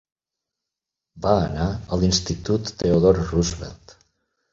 Va anar a l'institut Theodore Roosevelt.